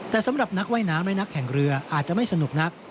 แต่สำหรับนักว่ายน้ำและนักแข่งเรืออาจจะไม่สนุกนัก